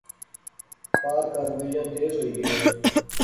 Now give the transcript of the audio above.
پار کاروائیاں تیز ہوئی گیئاں